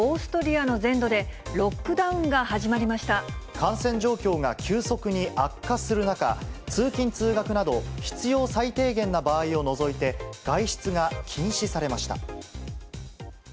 感染状況が急速に悪化する中、通勤・通学など、必要最低限な場合を除いて、外出が禁止されました。